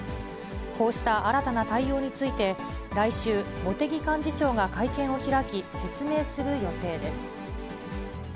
こうした新たな対応について、来週、茂木幹事長が会見を開き、説明する予定です。